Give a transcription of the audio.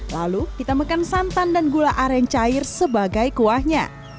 lalu kita makan santan dan gula aren cair sebagai kuahnya